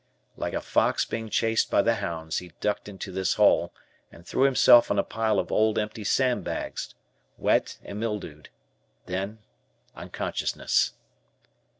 Like a fox being chased by the hounds, he ducked into this hole, and threw himself on a pile of old empty sandbags, wet and mildewed. Then unconsciousness.